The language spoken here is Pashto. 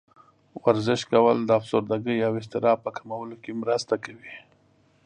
ورزش کول د افسردګۍ او اضطراب په کمولو کې مرسته کوي.